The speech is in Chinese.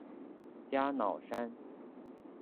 加瑙山。